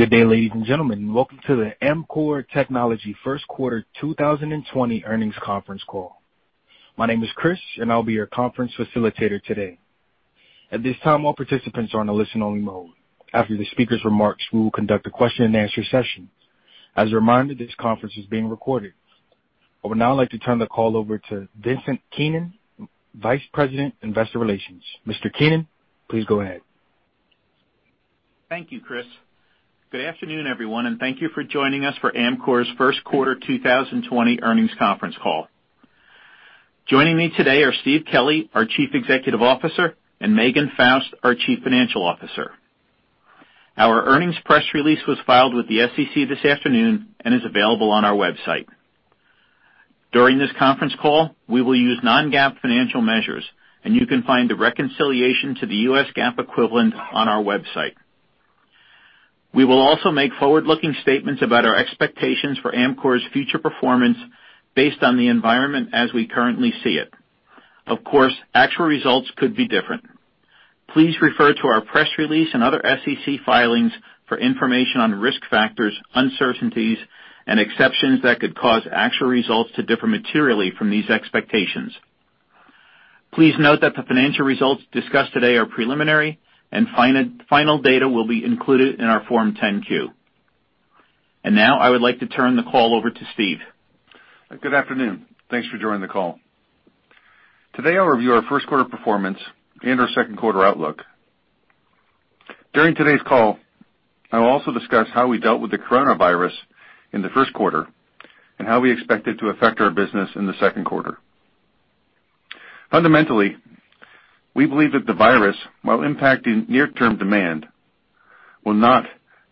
Good day, ladies and gentlemen. Welcome to the Amkor Technology first quarter 2020 earnings conference call. My name is Chris, and I'll be your conference facilitator today. At this time, all participants are on a listen-only mode. After the speakers' remarks, we will conduct a question and answer session. As a reminder, this conference is being recorded. I would now like to turn the call over to Vincent Keenan, Vice President, Investor Relations. Mr. Keenan, please go ahead. Thank you, Chris. Good afternoon, everyone, and thank you for joining us for Amkor's first quarter 2020 earnings conference call. Joining me today are Steve Kelley, our Chief Executive Officer, and Megan Faust, our Chief Financial Officer. Our earnings press release was filed with the SEC this afternoon and is available on our website. During this conference call, we will use non-GAAP financial measures, and you can find a reconciliation to the U.S. GAAP equivalent on our website. We will also make forward-looking statements about our expectations for Amkor's future performance based on the environment as we currently see it. Of course, actual results could be different. Please refer to our press release and other SEC filings for information on risk factors, uncertainties, and exceptions that could cause actual results to differ materially from these expectations. Please note that the financial results discussed today are preliminary and final data will be included in our Form 10-Q. Now I would like to turn the call over to Steve. Good afternoon. Thanks for joining the call. Today I'll review our first quarter performance and our second quarter outlook. During today's call, I will also discuss how we dealt with the coronavirus in the first quarter and how we expect it to affect our business in the second quarter. Fundamentally, we believe that the virus, while impacting near-term demand, will not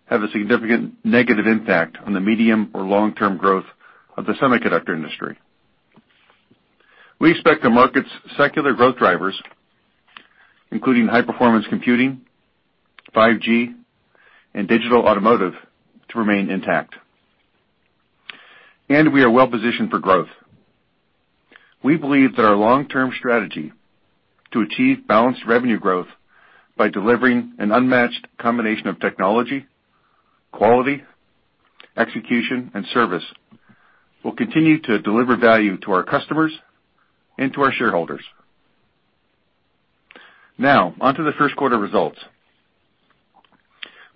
have a significant negative impact on the medium or long-term growth of the semiconductor industry. We expect the market's secular growth drivers, including high-performance computing, 5G, and digital automotive, to remain intact. We are well-positioned for growth. We believe that our long-term strategy to achieve balanced revenue growth by delivering an unmatched combination of technology, quality, execution, and service will continue to deliver value to our customers and to our shareholders. Now, on to the first quarter results.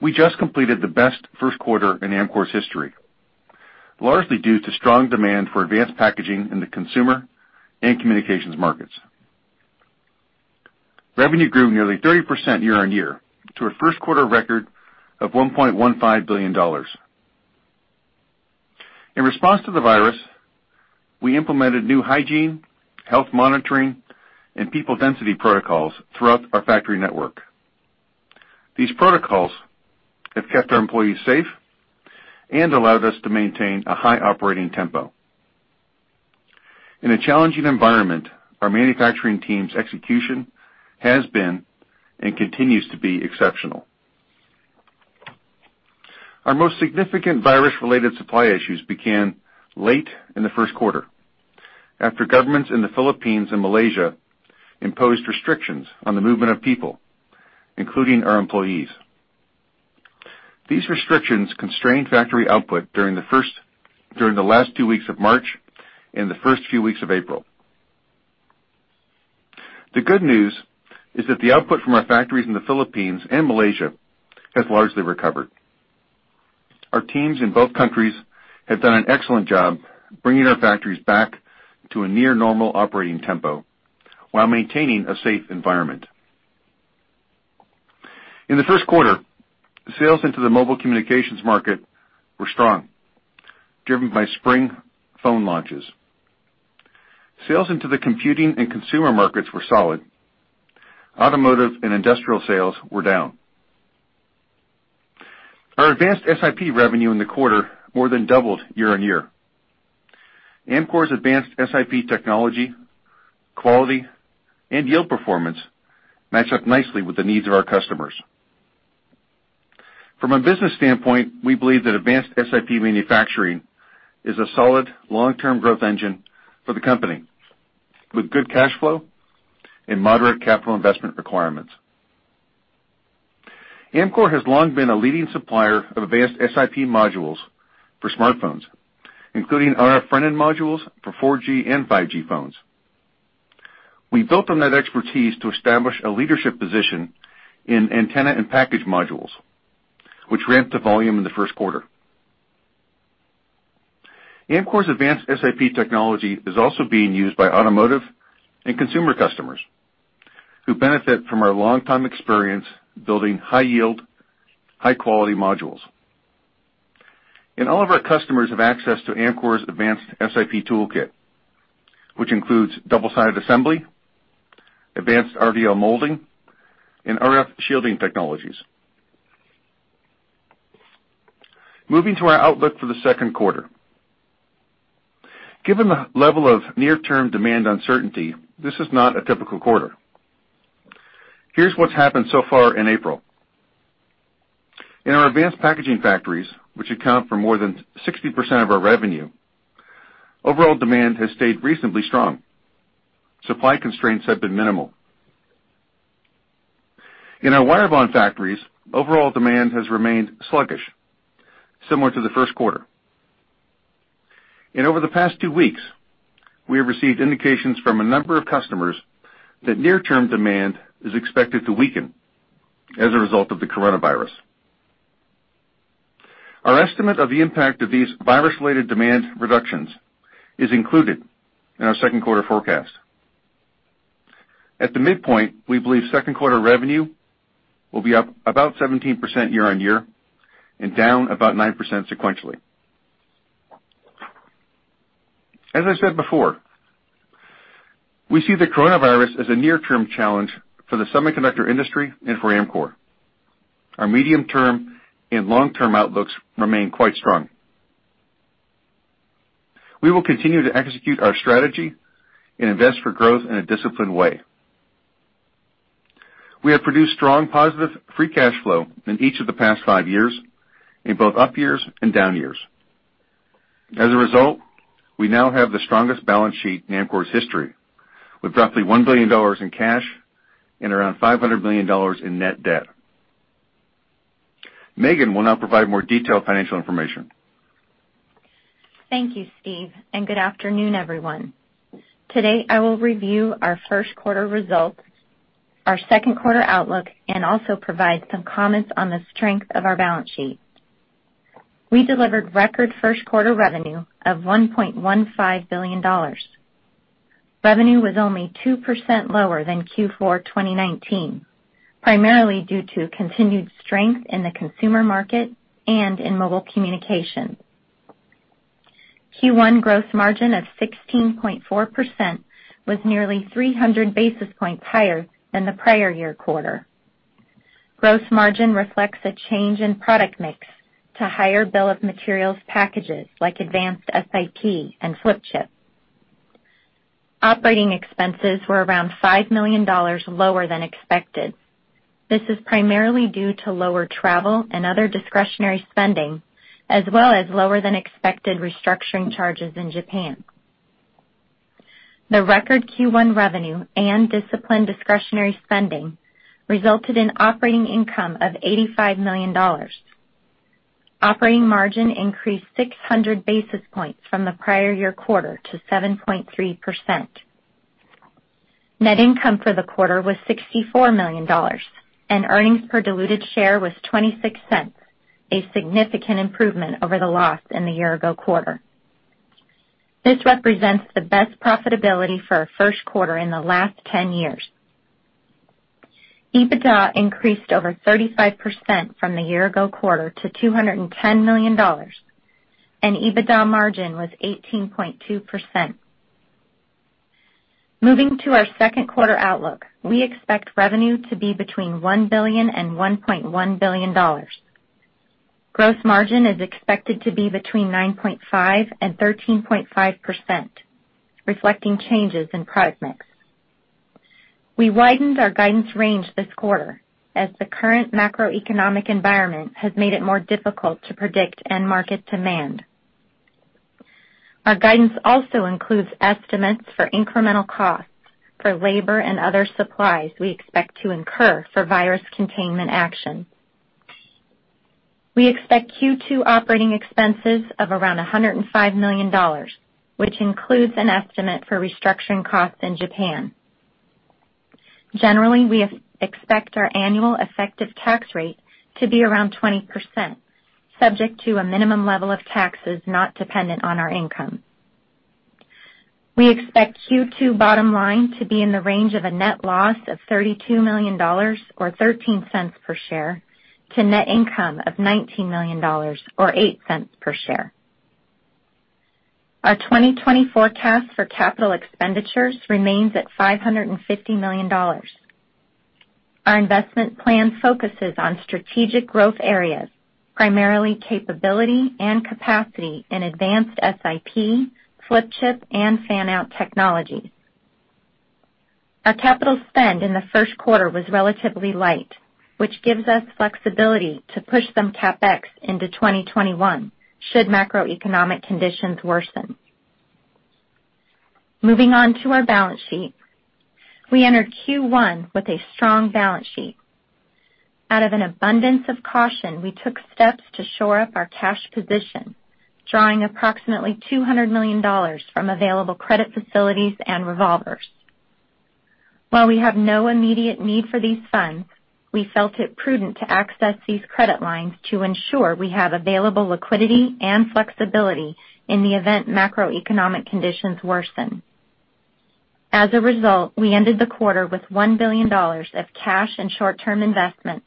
We just completed the best first quarter in Amkor's history, largely due to strong demand for advanced packaging in the consumer and communications markets. Revenue grew nearly 30% year-on-year to a first quarter record of $1.15 billion. In response to the virus, we implemented new hygiene, health monitoring, and people density protocols throughout our factory network. These protocols have kept our employees safe and allowed us to maintain a high operating tempo. In a challenging environment, our manufacturing team's execution has been and continues to be exceptional. Our most significant virus-related supply issues began late in the first quarter after governments in the Philippines and Malaysia imposed restrictions on the movement of people, including our employees. These restrictions constrained factory output during the last two weeks of March and the first few weeks of April. The good news is that the output from our factories in the Philippines and Malaysia has largely recovered. Our teams in both countries have done an excellent job bringing our factories back to a near normal operating tempo while maintaining a safe environment. In the first quarter, sales into the mobile communications market were strong, driven by spring phone launches. Sales into the computing and consumer markets were solid. Automotive and industrial sales were down. Our advanced SiP revenue in the quarter more than doubled year-on-year. Amkor's advanced SiP technology, quality, and yield performance match up nicely with the needs of our customers. From a business standpoint, we believe that advanced SiP manufacturing is a solid long-term growth engine for the company, with good cash flow and moderate capital investment requirements. Amkor has long been a leading supplier of advanced SiP modules for smartphones, including RF front-end modules for 4G and 5G phones. We built on that expertise to establish a leadership position in Antenna-in-Package modules, which ramped to volume in the first quarter. Amkor's advanced SiP technology is also being used by automotive and consumer customers who benefit from our longtime experience building high-yield, high-quality modules. All of our customers have access to Amkor's advanced SiP toolkit, which includes double-sided assembly, advanced RDL molding, and RF shielding technologies. Moving to our outlook for the second quarter. Given the level of near-term demand uncertainty, this is not a typical quarter. Here's what's happened so far in April. In our advanced packaging factories, which account for more than 60% of our revenue, overall demand has stayed reasonably strong. Supply constraints have been minimal. In our wire bond factories, overall demand has remained sluggish, similar to the first quarter. Over the past two weeks, we have received indications from a number of customers that near-term demand is expected to weaken as a result of the coronavirus. Our estimate of the impact of these virus-related demand reductions is included in our second quarter forecast. At the midpoint, we believe second quarter revenue will be up about 17% year-on-year and down about 9% sequentially. As I said before, we see the coronavirus as a near-term challenge for the semiconductor industry and for Amkor. Our medium-term and long-term outlooks remain quite strong. We will continue to execute our strategy and invest for growth in a disciplined way. We have produced strong, positive free cash flow in each of the past five years, in both up years and down years. As a result, we now have the strongest balance sheet in Amkor's history, with roughly $1 billion in cash and around $500 million in net debt. Megan will now provide more detailed financial information. Thank you, Steve, and good afternoon, everyone. Today, I will review our first quarter results, our second quarter outlook, and also provide some comments on the strength of our balance sheet. We delivered record first quarter revenue of $1.15 billion. Revenue was only 2% lower than Q4 2019, primarily due to continued strength in the consumer market and in mobile communication. Q1 gross margin of 16.4% was nearly 300 basis points higher than the prior year quarter. Gross margin reflects a change in product mix to higher bill of materials packages like advanced SiP and flip chip. Operating expenses were around $5 million lower than expected. This is primarily due to lower travel and other discretionary spending, as well as lower than expected restructuring charges in Japan. The record Q1 revenue and disciplined discretionary spending resulted in operating income of $85 million. Operating margin increased 600 basis points from the prior year quarter to 7.3%. Net income for the quarter was $64 million, and earnings per diluted share was $0.26, a significant improvement over the loss in the year-ago quarter. This represents the best profitability for our first quarter in the last 10 years. EBITDA increased over 35% from the year-ago quarter to $210 million, and EBITDA margin was 18.2%. Moving to our second quarter outlook, we expect revenue to be between $1 billion and $1.1 billion. Gross margin is expected to be between 9.5% and 13.5%, reflecting changes in product mix. We widened our guidance range this quarter, as the current macroeconomic environment has made it more difficult to predict end market demand. Our guidance also includes estimates for incremental costs for labor and other supplies we expect to incur for virus containment action. We expect Q2 operating expenses of around $105 million, which includes an estimate for restructuring costs in Japan. Generally, we expect our annual effective tax rate to be around 20%, subject to a minimum level of taxes not dependent on our income. We expect Q2 bottom line to be in the range of a net loss of $32 million or $0.13 per share to net income of $19 million or $0.08 per share. Our 2020 forecast for capital expenditures remains at $550 million. Our investment plan focuses on strategic growth areas, primarily capability and capacity in advanced SiP, flip chip, and fan-out technologies. Our capital spend in the first quarter was relatively light, which gives us flexibility to push some CapEx into 2021, should macroeconomic conditions worsen. Moving on to our balance sheet. We entered Q1 with a strong balance sheet. Out of an abundance of caution, we took steps to shore up our cash position, drawing approximately $200 million from available credit facilities and revolvers. While we have no immediate need for these funds, we felt it prudent to access these credit lines to ensure we have available liquidity and flexibility in the event macroeconomic conditions worsen. As a result, we ended the quarter with $1 billion of cash and short-term investments.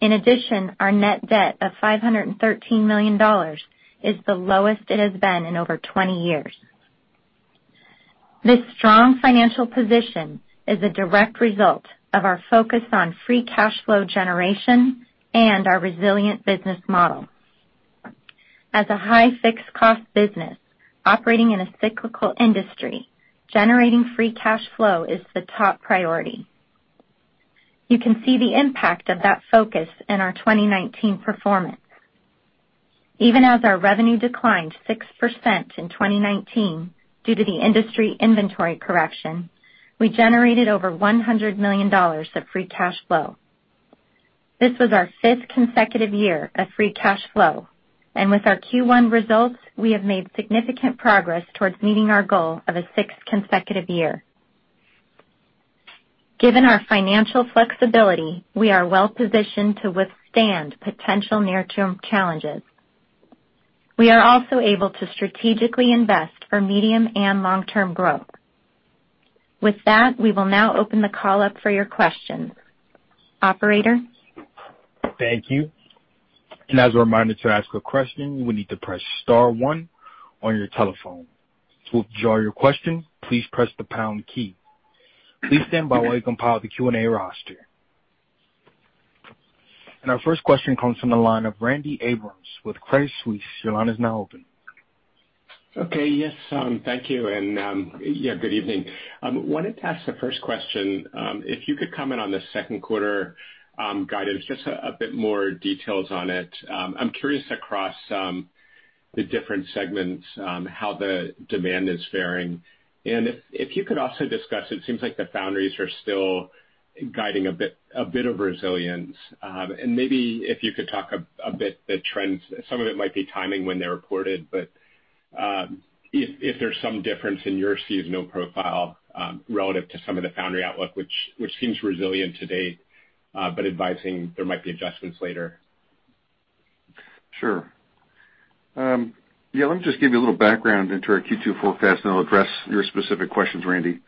In addition, our net debt of $513 million is the lowest it has been in over 20 years. This strong financial position is a direct result of our focus on free cash flow generation and our resilient business model. As a high fixed cost business operating in a cyclical industry, generating free cash flow is the top priority. You can see the impact of that focus in our 2019 performance. Even as our revenue declined 6% in 2019 due to the industry inventory correction, we generated over $100 million of free cash flow. This was our fifth consecutive year of free cash flow. With our Q1 results, we have made significant progress towards meeting our goal of a sixth consecutive year. Given our financial flexibility, we are well-positioned to withstand potential near-term challenges. We are also able to strategically invest for medium and long-term growth. With that, we will now open the call up for your questions. Operator? Thank you. As a reminder, to ask a question, you will need to press star one on your telephone. To withdraw your question, please press the pound key. Please stand by while we compile the Q&A roster. Our first question comes from the line of Randy Abrams with Credit Suisse. Your line is now open. Okay. Yes. Thank you, and good evening. I wanted to ask the first question. If you could comment on the second quarter guidance, just a bit more details on it. I'm curious across the different segments, how the demand is faring? If you could also discuss, it seems like the foundries are still guiding a bit of resilience. Maybe if you could talk a bit, the trends, some of it might be timing when they're reported, but if there's some difference in your seasonal profile, relative to some of the foundry outlook, which seems resilient to date, but advising there might be adjustments later. Sure. Let me just give you a little background into our Q2 forecast, and I'll address your specific questions, Randy.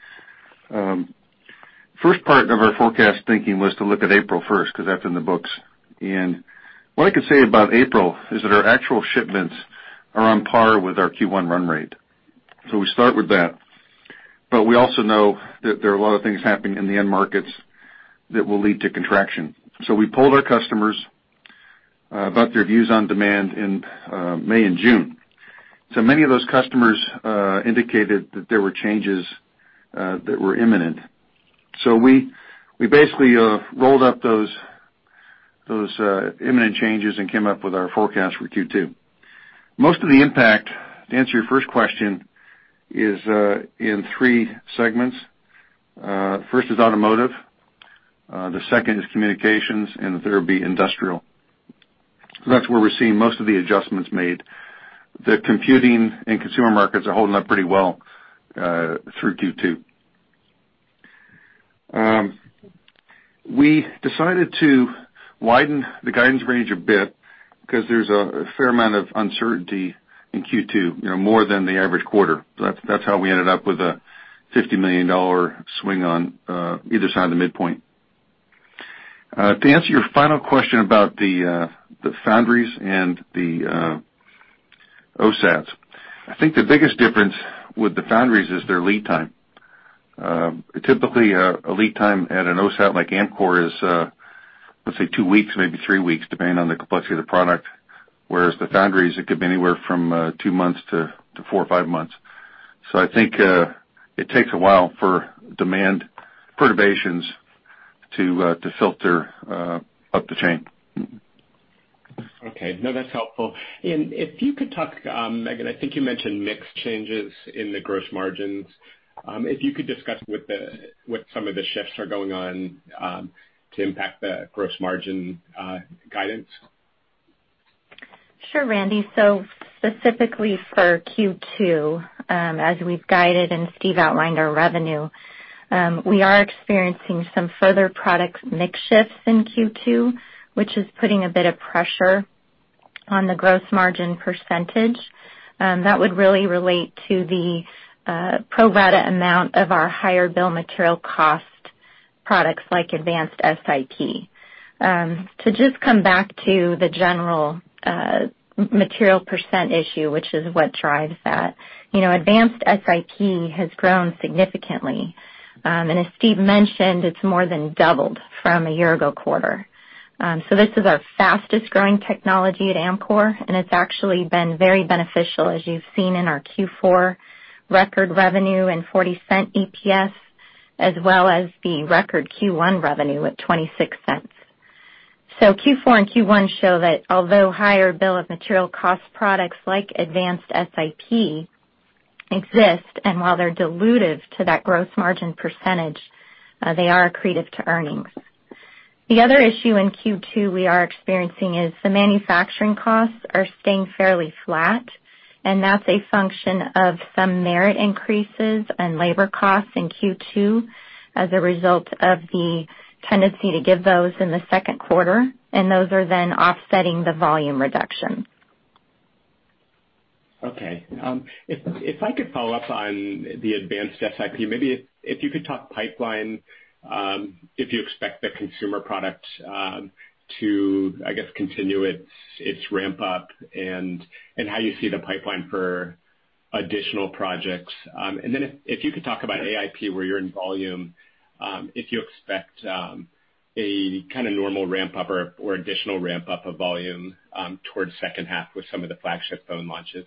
First part of our forecast thinking was to look at April 1st, because that's in the books. What I can say about April is that our actual shipments are on par with our Q1 run rate. We start with that. We also know that there are a lot of things happening in the end markets that will lead to contraction. We polled our customers about their views on demand in May and June. Many of those customers indicated that there were changes that were imminent. We basically rolled up those imminent changes and came up with our forecast for Q2. Most of the impact, to answer your first question, is in three segments. First is automotive, the second is communications, and the third would be industrial. That's where we're seeing most of the adjustments made. The computing and consumer markets are holding up pretty well through Q2. We decided to widen the guidance range a bit because there's a fair amount of uncertainty in Q2, more than the average quarter. That's how we ended up with a $50 million swing on either side of the midpoint. To answer your final question about the foundries and the OSATs, I think the biggest difference with the foundries is their lead time. Typically, a lead time at an OSAT like Amkor is, let's say, two weeks, maybe three weeks, depending on the complexity of the product. Whereas the foundries, it could be anywhere from two months to four or five months. I think it takes a while for demand perturbations to filter up the chain. Okay. No, that's helpful. If you could talk, Megan, I think you mentioned mix changes in the gross margins. If you could discuss what some of the shifts are going on to impact the gross margin guidance? Sure, Randy. Specifically for Q2, as we've guided and Steve outlined our revenue, we are experiencing some further product mix shifts in Q2, which is putting a bit of pressure on the gross margin percentage. That would really relate to the pro rata amount of our higher bill of materials cost products like advanced SiP. To just come back to the general material percent issue, which is what drives that. Advanced SiP has grown significantly. As Steve mentioned, it's more than doubled from a year ago quarter. This is our fastest-growing technology at Amkor, it's actually been very beneficial, as you've seen in our Q4 record revenue and $0.40 EPS, as well as the record Q1 revenue at $0.26. Q4 and Q1 show that although higher bill of materials cost products like advanced SiP exist, and while they're dilutive to that gross margin percentage, they are accretive to earnings. The other issue in Q2 we are experiencing is the manufacturing costs are staying fairly flat, and that's a function of some merit increases and labor costs in Q2 as a result of the tendency to give those in the second quarter, and those are then offsetting the volume reduction. Okay. If I could follow-up on the advanced SiP, maybe if you could talk pipeline, if you expect the consumer product to, I guess, continue its ramp up, and how you see the pipeline for additional projects. If you could talk about AiP, where you're in volume, if you expect a kind of normal ramp up or additional ramp up of volume towards second half with some of the flagship phone launches.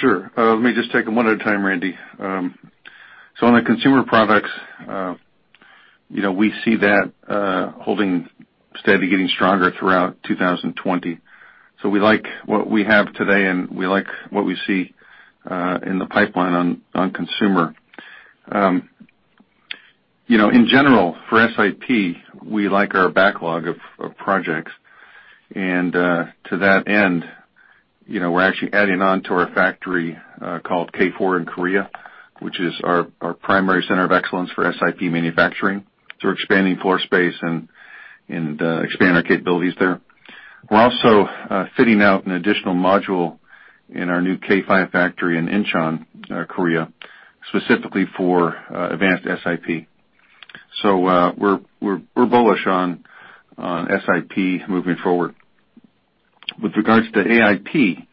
Sure. Let me just take them one at a time, Randy. On the consumer products, we see that holding steady, getting stronger throughout 2020. We like what we have today, and we like what we see in the pipeline on consumer. In general, for SiP, we like our backlog of projects. To that end, we're actually adding on to our factory called K4 in Korea, which is our primary center of excellence for SiP manufacturing. We're expanding floor space and expanding our capabilities there. We're also fitting out an additional module in our new K5 factory in Incheon, Korea, specifically for advanced SiP. We are bullish on SiP moving forward. With regards to AiP,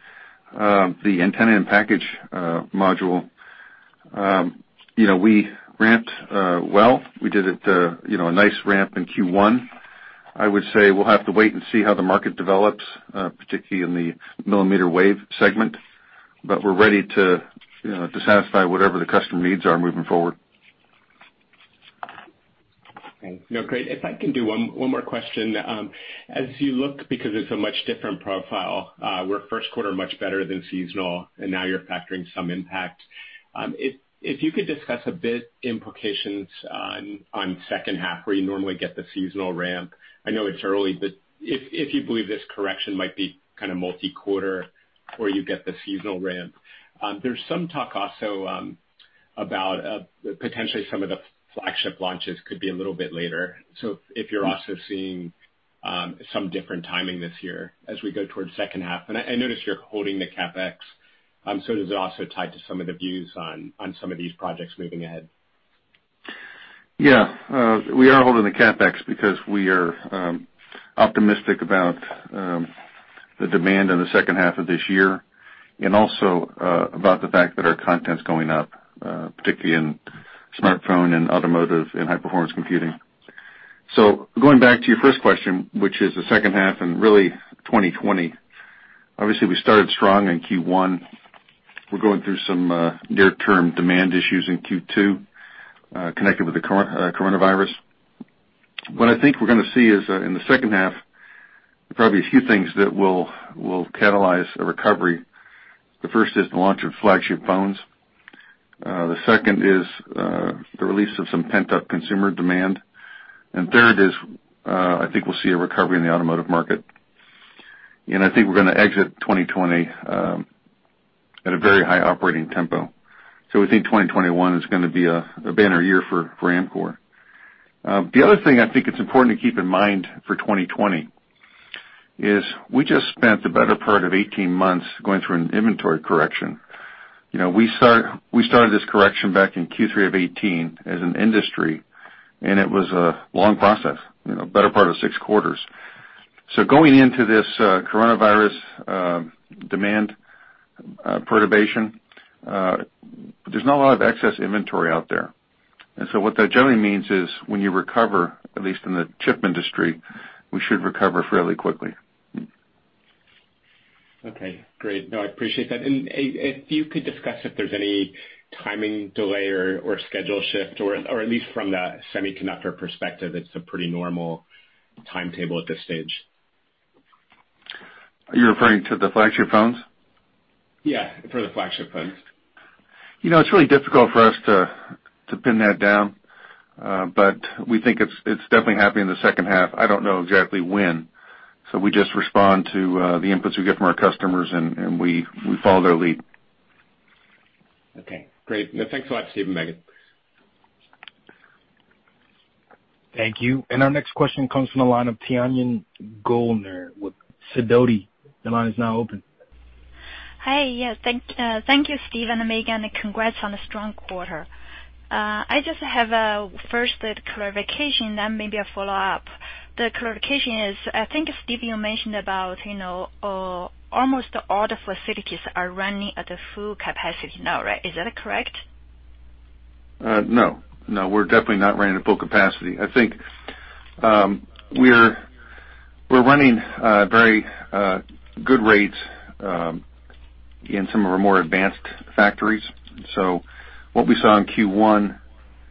the Antenna-in-Package module, we ramped well. We did a nice ramp in Q1. I would say we'll have to wait and see how the market develops, particularly in the millimeter wave segment, but we're ready to satisfy whatever the customer needs are moving forward. Okay. No, great. If I can do one more question. As you look, because it's a much different profile, where first quarter much better than seasonal, and now you're factoring some impact. If you could discuss a bit implications on second half where you normally get the seasonal ramp? I know it's early, but if you believe this correction might be kind of multi-quarter where you get the seasonal ramp? There's some talk also about potentially some of the flagship launches could be a little bit later. If you're also seeing some different timing this year as we go towards second half? I notice you're holding the CapEx. It is also tied to some of the views on some of these projects moving ahead? We are holding the CapEx because we are optimistic about the demand in the second half of this year and also about the fact that our content's going up, particularly in smartphone and automotive and high-performance computing. Going back to your first question, which is the second half and really 2020. Obviously, we started strong in Q1. We're going through some near-term demand issues in Q2, connected with the coronavirus. What I think we're going to see is, in the second half, probably a few things that will catalyze a recovery. The first is the launch of flagship phones. The second is the release of some pent-up consumer demand. Third is, I think we'll see a recovery in the automotive market. I think we're going to exit 2020 at a very high operating tempo. We think 2021 is going to be a banner year for Amkor. The other thing I think it's important to keep in mind for 2020 is we just spent the better part of 18 months going through an inventory correction. We started this correction back in Q3 of 2018 as an industry, and it was a long process, better part of six quarters. Going into this coronavirus demand perturbation, there's not a lot of excess inventory out there. What that generally means is when you recover, at least in the chip industry, we should recover fairly quickly. Okay, great. No, I appreciate that. If you could discuss if there's any timing delay or schedule shift, or at least from the semiconductor perspective, it's a pretty normal timetable at this stage. Are you referring to the flagship phones? For the flagship phones. It's really difficult for us to pin that down, but we think it's definitely happening in the second half. I don't know exactly when. We just respond to the inputs we get from our customers, and we follow their lead. Okay, great. Thanks a lot, Steve and Megan. Thank you. Our next question comes from the line of Tianyan Goellner with Sidoti. Your line is now open. Hi. Yes. Thank you, Steve and Megan, and congrats on a strong quarter. I just have a first clarification, then maybe a follow-up. The clarification is, I think, Steve, you mentioned about almost all the facilities are running at a full capacity now, right? Is that correct? No. We're definitely not running at full capacity. I think we're running very good rates in some of our more advanced factories. What we saw in Q1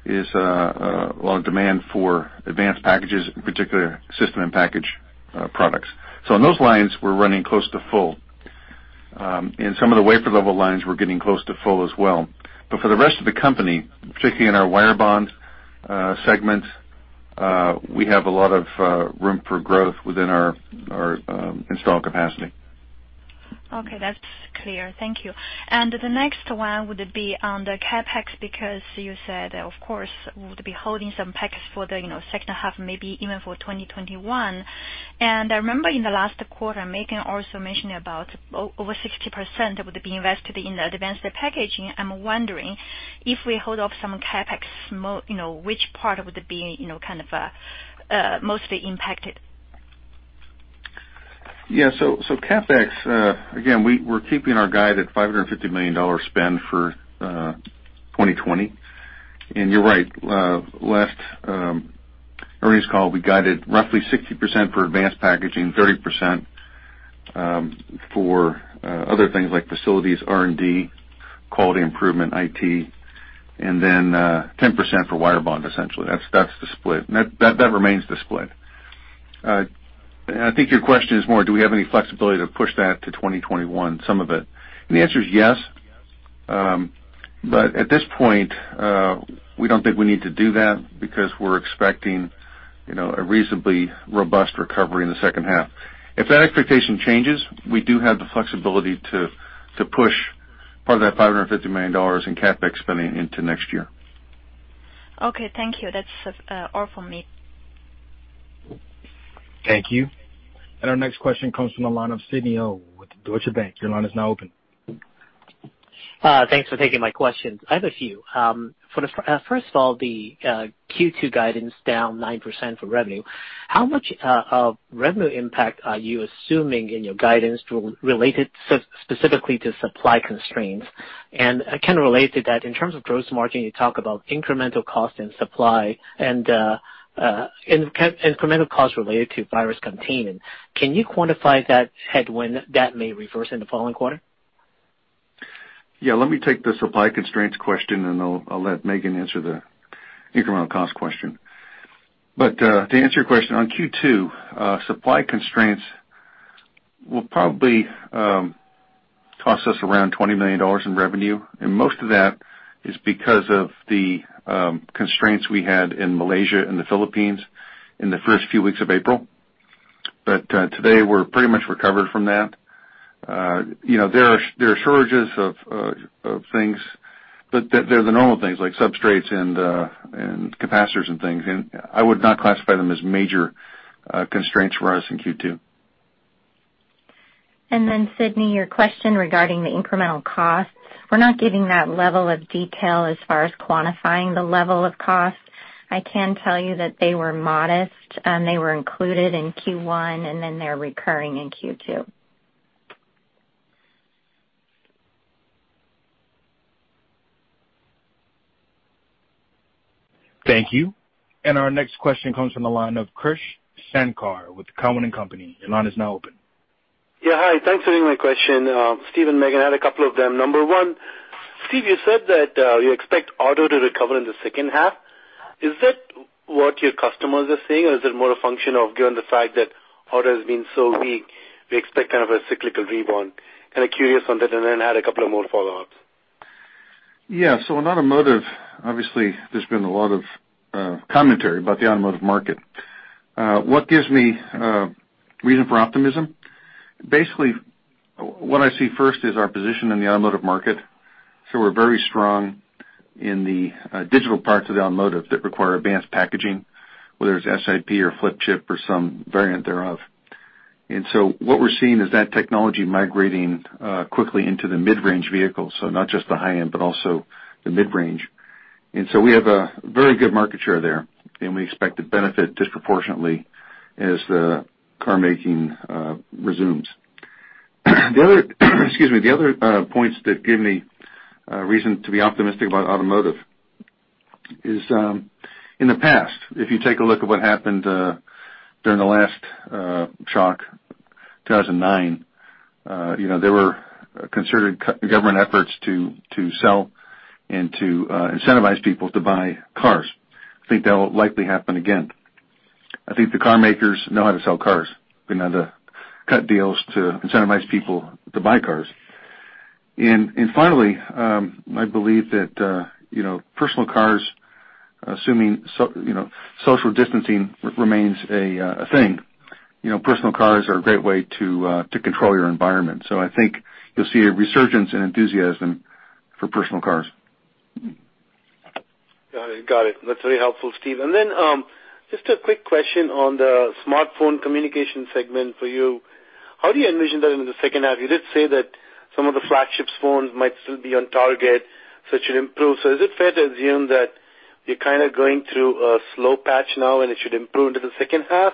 is a lot of demand for advanced packages, in particular System-in-Package products. On those lines, we're running close to full. In some of the wafer level lines, we're getting close to full as well. For the rest of the company, particularly in our wire bond segment, we have a lot of room for growth within our installed capacity. Okay, that's clear. Thank you. The next one would be on the CapEx, because you said, of course, would be holding some CapEx for the second half, maybe even for 2021. I remember in the last quarter, Megan also mentioned about over 60% would be invested in the advanced packaging. I'm wondering if we hold off some CapEx, which part would be mostly impacted? Yeah. CapEx, again, we're keeping our guide at $550 million spend for 2020. You're right. Last earnings call, we guided roughly 60% for advanced packaging, 30% for other things like facilities, R&D, quality improvement, IT, and then 10% for wire bond, essentially. That's the split. That remains the split. I think your question is more, do we have any flexibility to push that to 2021, some of it? The answer is yes. At this point, we don't think we need to do that because we're expecting a reasonably robust recovery in the second half. If that expectation changes, we do have the flexibility to push part of that $550 million in CapEx spending into next year. Okay, thank you. That's all from me. Thank you. Our next question comes from the line of Sidney Ho with Deutsche Bank. Your line is now open. Thanks for taking my questions. I have a few. First of all, the Q2 guidance down 9% for revenue. How much of revenue impact are you assuming in your guidance related specifically to supply constraints? Kind of related to that, in terms of gross margin, you talk about incremental cost in supply and incremental cost related to virus containment. Can you quantify that headwind that may reverse in the following quarter? Yeah, let me take the supply constraints question, and I'll let Megan answer the incremental cost question. To answer your question on Q2, supply constraints will probably cost us around $20 million in revenue, and most of that is because of the constraints we had in Malaysia and the Philippines in the first few weeks of April. Today, we're pretty much recovered from that. There are shortages of things, but they're the normal things like substrates and capacitors and things, and I would not classify them as major constraints for us in Q2. Sidney, your question regarding the incremental costs. We're not giving that level of detail as far as quantifying the level of cost. I can tell you that they were modest, and they were included in Q1, and then they're recurring in Q2. Thank you. Our next question comes from the line of Krish Sankar with Cowen and Company. Your line is now open. Hi. Thanks for taking my question. Steve and Megan, I had a couple of them. Number one, Steve, you said that you expect auto to recover in the second half. Is that what your customers are saying, or is it more a function of given the fact that auto has been so weak, we expect kind of a cyclical rebound? Kind of curious on that. I had a couple of more follow-ups. Yeah. In automotive, obviously, there's been a lot of commentary about the automotive market. What gives me reason for optimism? Basically, what I see first is our position in the automotive market. We're very strong in the digital parts of the automotive that require advanced packaging, whether it's SiP or flip chip or some variant thereof. What we're seeing is that technology migrating quickly into the mid-range vehicles, so not just the high-end, but also the mid-range. We have a very good market share there, and we expect to benefit disproportionately as the car making resumes. Excuse me. The other points that give me reason to be optimistic about automotive is in the past, if you take a look at what happened during the last shock, 2009. There were concerted government efforts to sell and to incentivize people to buy cars. I think that'll likely happen again. I think the car makers know how to sell cars. They know how to cut deals to incentivize people to buy cars. Finally, I believe that personal cars, assuming social distancing remains a thing personal cars are a great way to control your environment. I think you'll see a resurgence and enthusiasm for personal cars. Got it. That's very helpful, Steve. Just a quick question on the smartphone communication segment for you. How do you envision that in the second half? You did say that some of the flagship phones might still be on target, so it should improve. Is it fair to assume that you're kind of going through a slow patch now, and it should improve into the second half?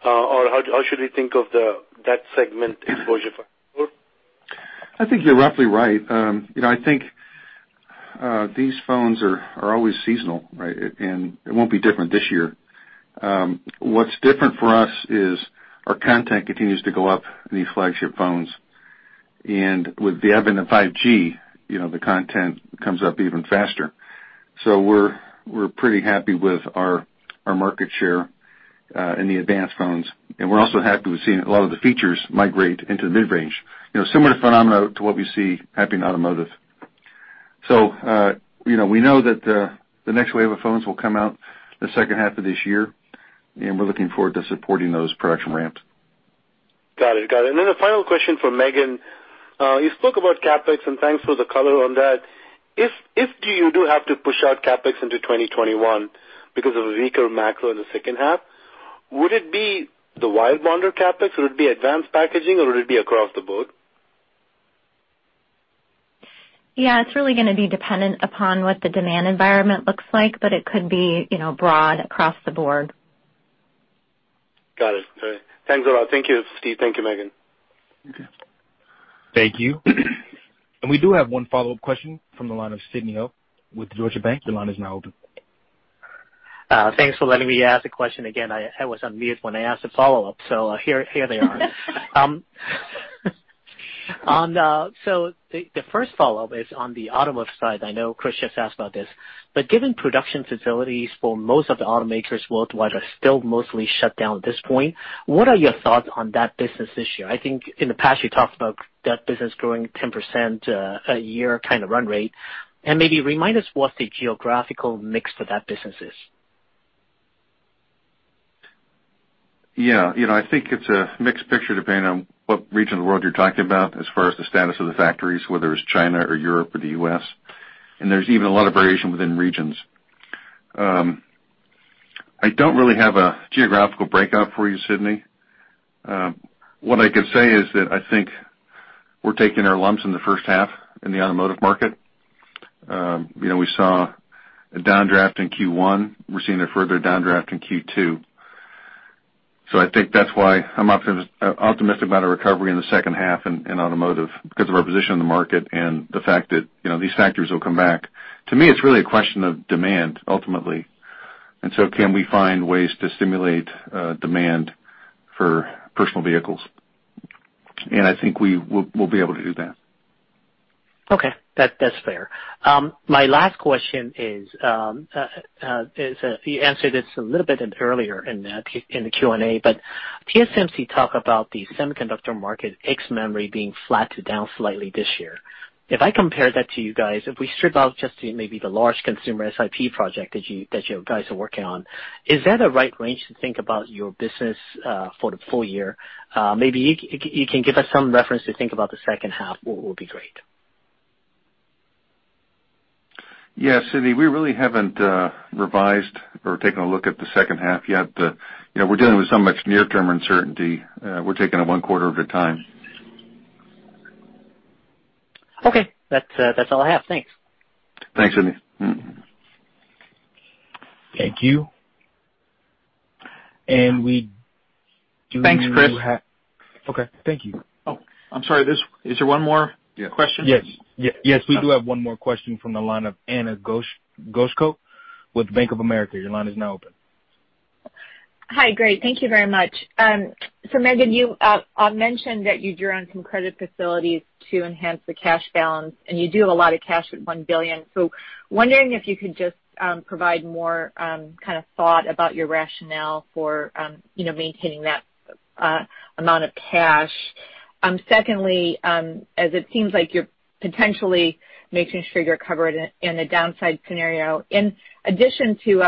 How should we think of that segment exposure for Amkor? I think you're roughly right. I think these phones are always seasonal, right? It won't be different this year. What's different for us is our content continues to go up in these flagship phones. With the advent of 5G, the content comes up even faster. We're pretty happy with our market share in the advanced phones, and we're also happy we're seeing a lot of the features migrate into the mid-range. Similar phenomena to what we see happening in automotive. We know that the next wave of phones will come out in the second half of this year, and we're looking forward to supporting those production ramps. Got it. A final question for Megan. You spoke about CapEx, and thanks for the color on that. If you do have to push out CapEx into 2021 because of a weaker macro in the second half, would it be the wire bond CapEx? Would it be advanced packaging, or would it be across the board? Yeah, it's really going to be dependent upon what the demand environment looks like, but it could be broad across the board. Got it. All right. Thanks a lot. Thank you, Steve. Thank you, Megan. Thank you. Thank you. We do have one follow-up question from the line of Sidney Ho with Deutsche Bank. Your line is now open. Thanks for letting me ask a question again. I was on mute when I asked a follow-up, so here they are. The first follow-up is on the automotive side. I know Krish just asked about this, but given production facilities for most of the automakers worldwide are still mostly shut down at this point, what are your thoughts on that business this year? I think in the past, you talked about that business growing 10% a year kind of run rate. Maybe remind us what the geographical mix for that business is? I think it's a mixed picture depending on what region of the world you're talking about as far as the status of the factories, whether it's China or Europe or the U.S., and there's even a lot of variation within regions. I don't really have a geographical breakout for you, Sidney. What I can say is that I think we're taking our lumps in the first half in the automotive market. We saw a downdraft in Q1. We're seeing a further downdraft in Q2. I think that's why I'm optimistic about a recovery in the second half in automotive because of our position in the market and the fact that these factors will come back. To me, it's really a question of demand ultimately, and so can we find ways to stimulate demand for personal vehicles? I think we'll be able to do that. Okay. That's fair. My last question is, you answered this a little bit earlier in the Q&A, but TSMC talk about the semiconductor market ex-memory being flat to down slightly this year. If I compare that to you guys, if we strip out just maybe the large consumer SiP project that you guys are working on, is that a right range to think about your business for the full year? Maybe you can give us some reference to think about the second half, what would be great. Yeah, Sidney, we really haven't revised or taken a look at the second half yet. We're dealing with so much near-term uncertainty. We're taking it one quarter at a time. Okay. That's all I have. Thanks. Thanks, Sidney. Thank you. Thanks, Chris. Okay. Thank you. Oh, I'm sorry. Is there one more question? Yes. We do have one more question from the line of Ana Goshko with Bank of America. Your line is now open. Hi. Great. Thank you very much. Megan, you mentioned that you drew on some credit facilities to enhance the cash balance, and you do have a lot of cash with $1 billion. Wondering if you could just provide more kind of thought about your rationale for maintaining that amount of cash. Secondly, as it seems like you're potentially making sure you're covered in a downside scenario, in addition to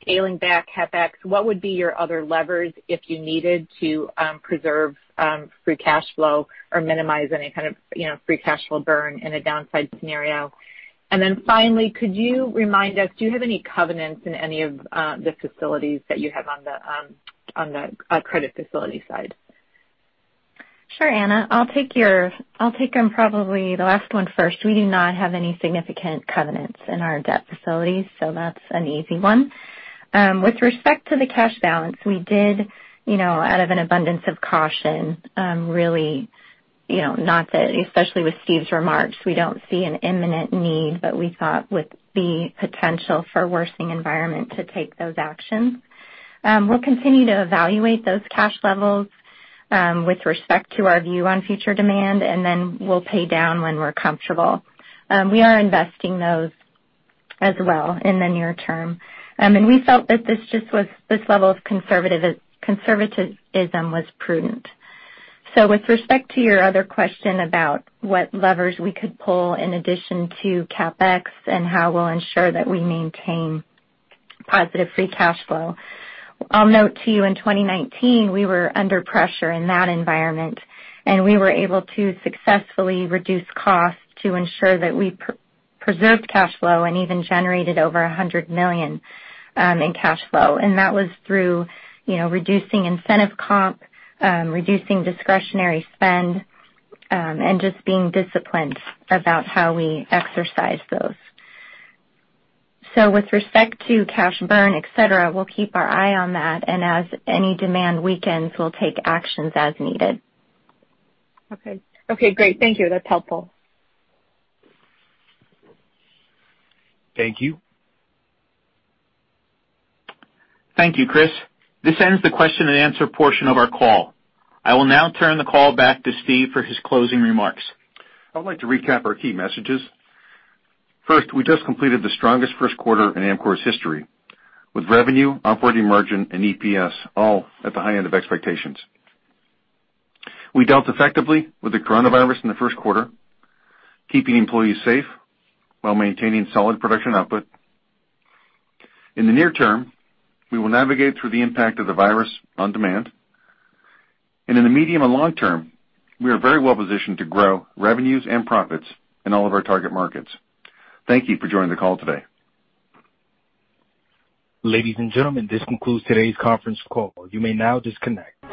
scaling back CapEx, what would be your other levers if you needed to preserve free cash flow or minimize any kind of free cash flow burn in a downside scenario? Finally, could you remind us, do you have any covenants in any of the facilities that you have on the credit facility side? Sure, Ana. I'll take on probably the last one first. We do not have any significant covenants in our debt facilities, so that's an easy one. With respect to the cash balance, we did out of an abundance of caution, really, not that, especially with Steve's remarks, we don't see an imminent need, but we thought with the potential for worsening environment to take those actions. We'll continue to evaluate those cash levels, with respect to our view on future demand, and then we'll pay down when we're comfortable. We are investing those as well in the near term. We felt that this level of conservatism was prudent. With respect to your other question about what levers we could pull in addition to CapEx and how we'll ensure that we maintain positive free cash flow, I'll note to you, in 2019, we were under pressure in that environment, and we were able to successfully reduce costs to ensure that we preserved cash flow and even generated $100 million in cash flow. That was through reducing incentive comp, reducing discretionary spend, and just being disciplined about how we exercise those. With respect to cash burn, et cetera, we'll keep our eye on that, and as any demand weakens, we'll take actions as needed. Okay. Great. Thank you. That's helpful. Thank you. Thank you, Chris. This ends the question and answer portion of our call. I will now turn the call back to Steve for his closing remarks. I would like to recap our key messages. First, we just completed the strongest first quarter in Amkor's history, with revenue, operating margin, and EPS all at the high end of expectations. We dealt effectively with the coronavirus in the first quarter, keeping employees safe while maintaining solid production output. In the near term, we will navigate through the impact of the virus on demand, and in the medium and long-term, we are very well positioned to grow revenues and profits in all of our target markets. Thank you for joining the call today. Ladies and gentlemen, this concludes today's conference call. You may now disconnect.